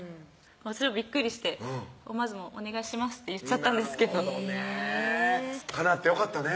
私はびっくりして思わず「お願いします」って言っちゃったんですけどかなってよかったね